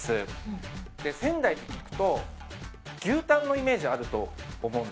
仙台って聞くと牛タンのイメージあると思うんですよ。